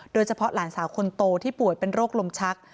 โดยเฉพาะหลานสาวคนโตที่ป่วยเป็นโรคลมชัก